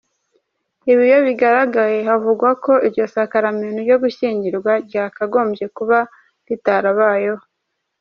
Ibi iyo bigaragaye havugwa ko iryo sakaramentu ryo gushyingiranwa ryakagombye kuba ritarabayeho.